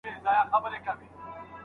څه وخت ملي سوداګر مالګه هیواد ته راوړي؟